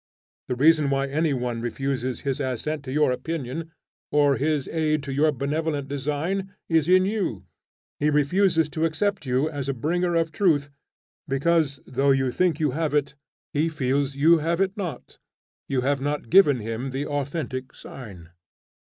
The reason why any one refuses his assent to your opinion, or his aid to your benevolent design, is in you: he refuses to accept you as a bringer of truth, because, though you think you have it, he feels that you have it not. You have not given him the authentic sign.